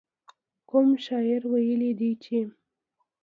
کوم شاعر ويلي دي چې.